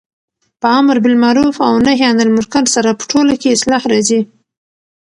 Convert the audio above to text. په امرباالمعرف او نهي عن المنکر سره په ټوله کي اصلاح راځي